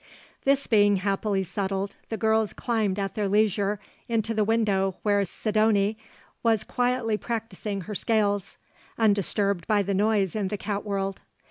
This being happily settled, the girls climbed at their leisure into the window where Sidonie was quietly practising her scales, undisturbed by the noise in the cat world.